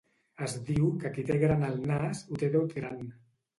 Es diu que qui té gran el nas, ho té tot gran.